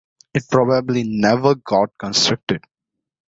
It probably never got constructed.